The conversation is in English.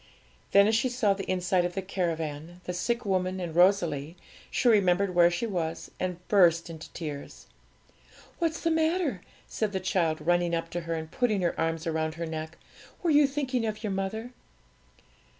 Then, as she saw the inside of the caravan, the sick woman, and Rosalie, she remembered where she was, and burst into tears. 'What's the matter?' said the child, running up to her, and putting her arms round her neck; 'were you thinking of your mother?'